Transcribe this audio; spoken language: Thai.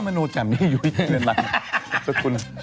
มโนแจมนี่อยู่อย่างนั้น